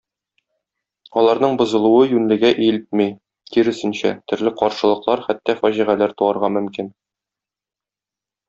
Аларның бозылуы юньлегә илтми, киресенчә, төрле каршылыклар, хәтта фаҗигаләр туарга мөмкин.